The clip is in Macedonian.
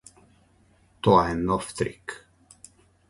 Тоа е нов трик.